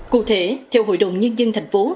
cụ thể theo hội đồng nhân dân tp hcm